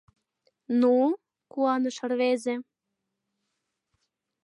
— Ну? — куаныш рвезе.